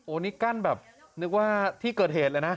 อันนี้กั้นแบบนึกว่าที่เกิดเหตุเลยนะ